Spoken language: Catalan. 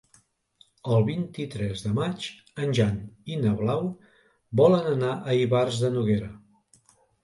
El vint-i-tres de maig en Jan i na Blau volen anar a Ivars de Noguera.